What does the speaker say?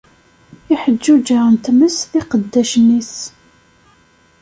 Iḥeǧǧuǧa n tmes d iqeddacen-is.